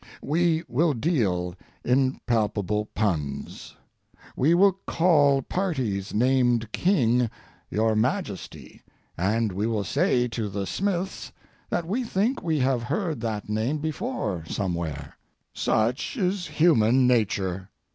We will deal in palpable puns. We will call parties named King "Your Majesty," and we will say to the Smiths that we think we have heard that name before somewhere. Such is human nature.